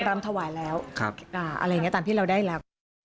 รำถวายแล้วอะไรอย่างนี้ตามที่เราได้แล้ว